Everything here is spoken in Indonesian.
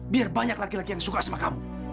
biar banyak laki laki yang suka sama kamu